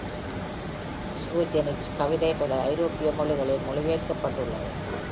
ஸ்குஜெனிக்ஸ் கவிதை பல ஐரோப்பிய மொழிகளில் மொழிபெயர்க்கப்பட்டுள்ளது.